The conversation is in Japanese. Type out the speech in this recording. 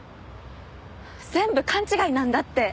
全部勘違いなんだって。